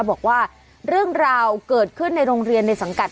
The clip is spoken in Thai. บอกว่าเรื่องราวเกิดขึ้นในโรงเรียนในสังกัด